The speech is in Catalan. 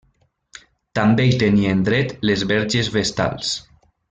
També hi tenien dret les verges vestals.